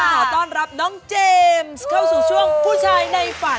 ขอต้อนรับน้องเจมส์เข้าสู่ช่วงผู้ชายในฝัน